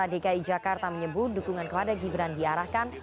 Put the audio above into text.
rampai nusantara dki jakarta menyebut dukungan kepada gibran diarahkan